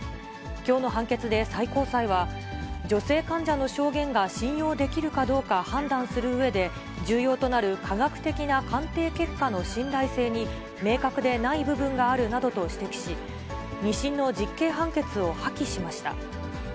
きょうの判決で最高裁は、女性患者の証言が信用できるかどうか判断するうえで、重要となる科学的な鑑定結果の信頼性に、明確でない部分があるなどと指摘し、２審の実刑判決を破棄しました。